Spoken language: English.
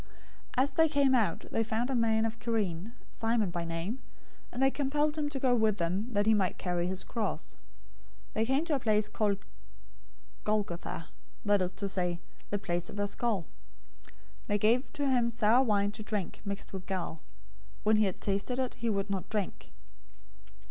027:032 As they came out, they found a man of Cyrene, Simon by name, and they compelled him to go with them, that he might carry his cross. 027:033 They came to a place called "Golgotha," that is to say, "The place of a skull." 027:034 They gave him sour wine to drink mixed with gall. When he had tasted it, he would not drink.